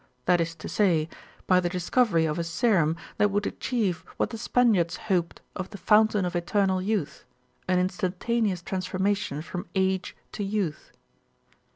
That is to say, by the discovery of a serum that would achieve what the Spaniards hoped of the Fountain of Eternal Youth, an instantaneous transformation from age to youth."